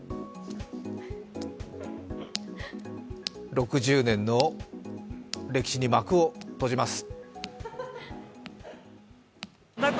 ６０年の歴史に幕を閉じます。